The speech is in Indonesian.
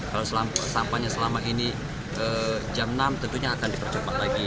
kalau sampahnya selama ini jam enam tentunya akan dipercepat lagi